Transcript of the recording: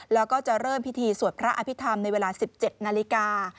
แล้วก็จะเริ่มพิธีสวดพระอภิษฐรรมในเวลา๑๗นาฬิกา